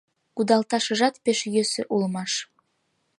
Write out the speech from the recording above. Кудалташыжат пеш йӧсӧ улмаш.